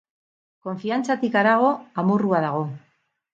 Konfiantzatik harago, amorrua dago.